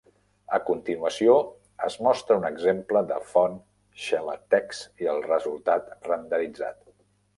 A continuació es mostra un exemple de font XeLaTeX i el resultat renderitzat.